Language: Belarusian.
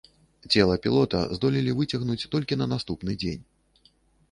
Цела пілота здолелі выцягнуць толькі на наступны дзень.